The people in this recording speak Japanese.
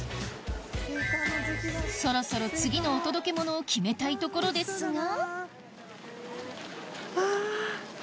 そろそろ次のお届けモノを決めたいところですがうわ。